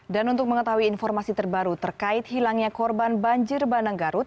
dan untuk mengetahui informasi terbaru terkait hilangnya korban banjir bandang garut